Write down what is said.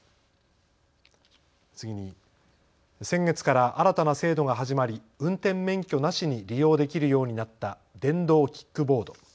次に先月から新たな制度が始まり運転免許なしに利用できるようになった電動キックボード。